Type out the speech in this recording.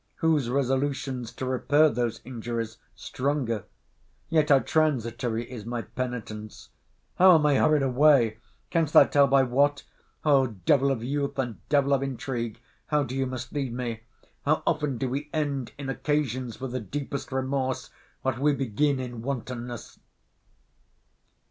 Whose resolutions to repair those injuries stronger?—Yet how transitory is my penitence!—How am I hurried away—Canst thou tell by what?—O devil of youth, and devil of intrigue, how do you mislead me!—How often do we end in occasions for the deepest remorse, what we begin in wantonness!